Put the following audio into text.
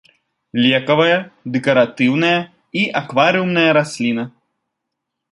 Лекавая, дэкаратыўная і акварыумная расліна.